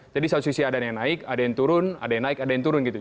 jadi satu sisi ada yang naik ada yang turun ada yang naik ada yang turun gitu